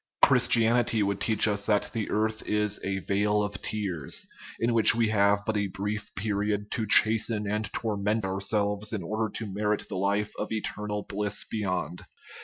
Christianity would teach us that the earth is "a vale of tears/' in which we have but a brief period to chasten and torment ourselves in order to merit the life of eternal bliss beyond.